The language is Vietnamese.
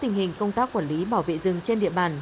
tình hình công tác quản lý bảo vệ rừng trên địa bàn